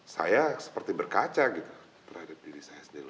saya seperti berkaca gitu terhadap diri saya sendiri